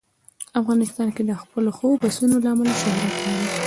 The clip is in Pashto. افغانستان د خپلو ښو پسونو له امله شهرت لري.